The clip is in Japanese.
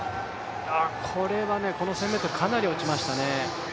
この１０００ｍ、かなり落ちましたね。